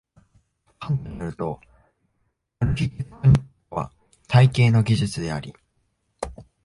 カントに依ると、アルヒテクトニックとは「体系の技術」であり、